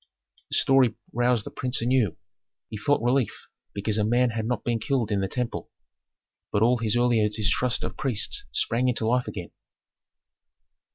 This story roused the prince anew; he felt relief because a man had not been killed in the temple, but all his earlier distrust of priests sprang into life again.